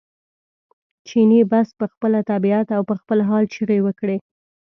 چیني بس په خپله طبعیت او په خپل حال چغې وکړې.